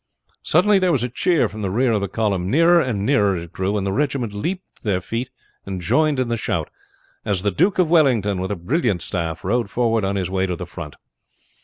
Suddenly there was a cheer from the rear of the column. Nearer and nearer it grew, and the regiment leaped to their feet and joined in the shout, as the Duke of Wellington, with a brilliant staff, rode forward on his way to the front.